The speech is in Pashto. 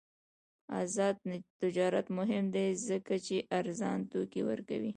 آزاد تجارت مهم دی ځکه چې ارزان توکي ورکوي.